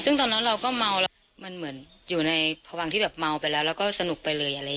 น้องเขาเมาไหมคะ